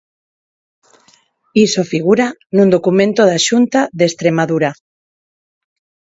Iso figura nun documento da Xunta de Estremadura.